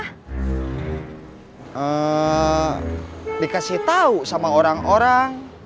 hmm dikasih tau sama orang orang